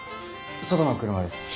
外の車です。